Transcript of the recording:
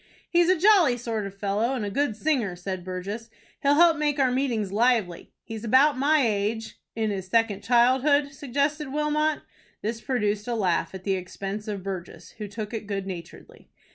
"He's a jolly sort of fellow, and a good singer," said Burgess. "He'll help make our meetings lively. He's about my age " "In his second childhood," suggested Wilmot. This produced a laugh at the expense of Burgess, who took it good naturedly.